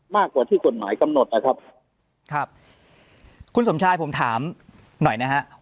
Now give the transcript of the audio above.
มากกว่าที่กฎหมายกำหนดนะครับครับคุณสมชายผมถามหน่อยนะฮะ